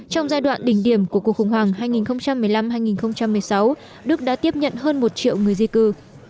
trong giai đoạn đỉnh điểm của cuộc khủng hoảng hai nghìn một mươi năm hai nghìn một mươi sáu đức đã tiếp nhận hơn một triệu người di cư